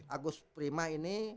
agus prima ini